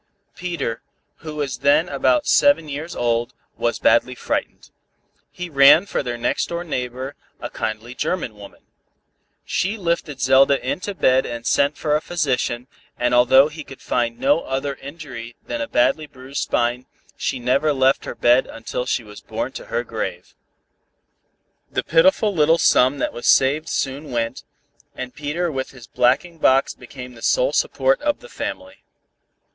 Peter, who was then about seven years old, was badly frightened. He ran for their next door neighbor, a kindly German woman. She lifted Zelda into bed and sent for a physician, and although he could find no other injury than a badly bruised spine, she never left her bed until she was borne to her grave. The pitiful little sum that was saved soon went, and Peter with his blacking box became the sole support of the family.